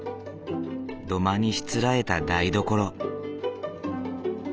土間にしつらえた台所。